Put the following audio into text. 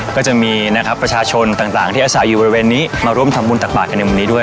ก็จะมีนะครับประชาชนต่างที่อาศัยอยู่บริเวณนี้มาร่วมทำบุญตักบาทกันในวันนี้ด้วย